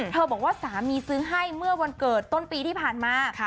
บอกว่าสามีซื้อให้เมื่อวันเกิดต้นปีที่ผ่านมา